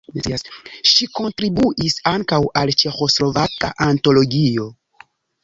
Ŝi kontribuis ankaŭ al "Ĉeĥoslovaka Antologio".